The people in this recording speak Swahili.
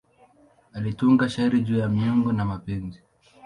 Alitunga shairi juu ya miungu na mapenzi.